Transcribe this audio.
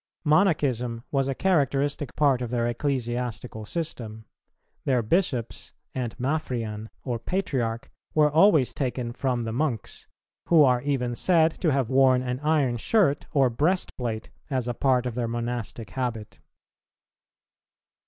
[317:2] Monachism was a characteristic part of their ecclesiastical system: their Bishops, and Maphrian or Patriarch, were always taken from the Monks, who are even said to have worn an iron shirt or breastplate as a part of their monastic habit.